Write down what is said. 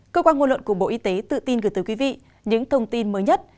cơ quan ngôn luận của bộ y tế tự tin gửi tới quý vị những thông tin mới nhất